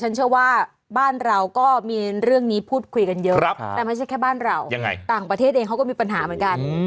เชื่อว่าบ้านเราก็มีเรื่องนี้พูดคุยกันเยอะแต่ไม่ใช่แค่บ้านเราต่างประเทศเองเขาก็มีปัญหาเหมือนกัน